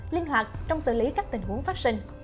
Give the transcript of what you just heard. linh hoạt trong xử lý các tình huống phát sinh